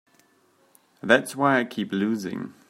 That's why I keep losing.